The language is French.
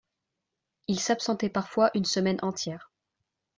Il s’absentait parfois une semaine entière